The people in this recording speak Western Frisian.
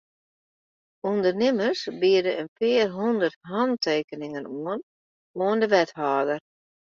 Undernimmers biede in pear hûndert hantekeningen oan oan de wethâlder.